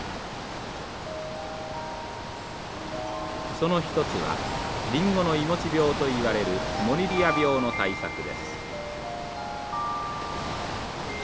その一つはリンゴのいもち病といわれるモニリア病の対策です。